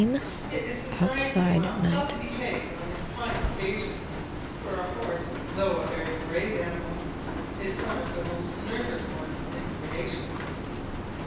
It is surprising how well they behave on this trying occasion, for a horse, though a very brave animal, is one of the most nervous ones in creation.